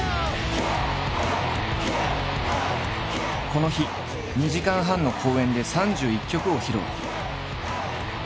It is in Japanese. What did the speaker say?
この日２時間半の公演で３１曲を披露。